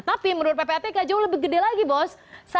tapi menurut ppatk jauh lebih gede lagi bos